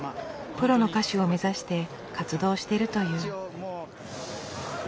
プロの歌手を目指して活動してるという。